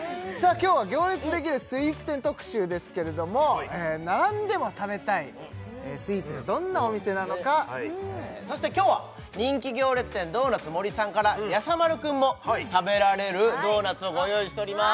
今日は行列できるスイーツ店特集ですけれども並んでも食べたいスイーツがどんなお店なのかそして今日は人気行列店ドーナツもりさんからやさ丸くんも食べられるドーナツをご用意しております